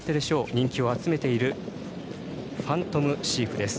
人気を集めているファントムシーフです。